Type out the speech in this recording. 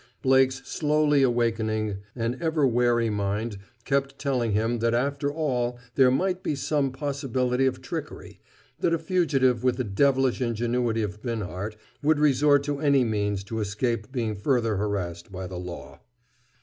Blake's slowly awakening and ever wary mind kept telling him that after all there might be some possibility of trickery, that a fugitive with the devilish ingenuity of Binhart would resort to any means to escape being further harassed by the Law.